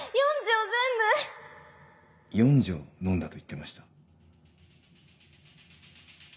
４錠飲んだと言ってました。